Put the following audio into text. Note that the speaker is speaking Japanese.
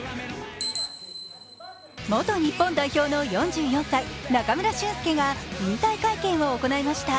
元日本代表の４４歳、中村俊輔が引退会見を行いました。